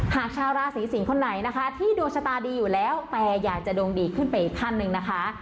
หากชาวราศีสิงศ์คนไหนนะคะที่ดวงชะตาดีอยู่แล้วแต่อยากจะดวงดีขึ้นไปอีกขั้นหนึ่งนะคะ